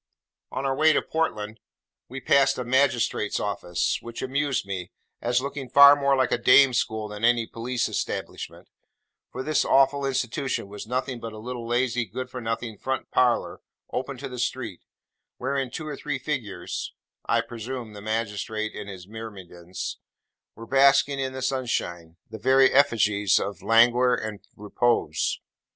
On our way to Portland, we passed a 'Magistrate's office,' which amused me, as looking far more like a dame school than any police establishment: for this awful Institution was nothing but a little lazy, good for nothing front parlour, open to the street; wherein two or three figures (I presume the magistrate and his myrmidons) were basking in the sunshine, the very effigies of languor and repose.